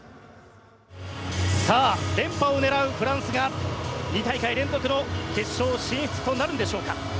さあ連覇を狙うフランスが２大会連続の決勝進出となるのでしょうか。